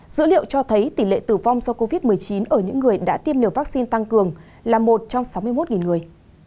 dữ liệu cho thấy tỷ lệ tử vong do covid một mươi chín ở những người đã tiêm liều vaccine tăng cường là một trong sáu mươi một người